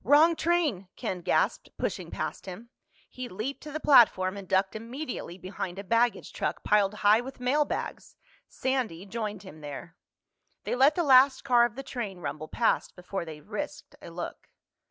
"Wrong train!" Ken gasped, pushing past him. He leaped to the platform and ducked immediately behind a baggage truck piled high with mailbags. Sandy joined him there. They let the last car of the train rumble past before they risked a look.